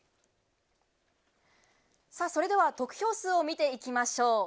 さあ、それでは得票数を見ていきましょう。